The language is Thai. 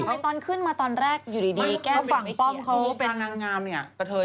ทำไมตอนขึ้นมาตอนแรกอยู่ดีแก้มฝั่งป้อมเขา